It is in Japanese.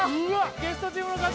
ゲストチームの勝ち！